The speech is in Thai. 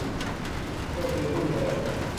เมื่อซื้อหุ้นแล้ว